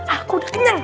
aku udah kenyang